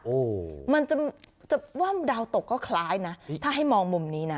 โอ้โหมันจะจะว่าดาวตกก็คล้ายนะถ้าให้มองมุมนี้นะ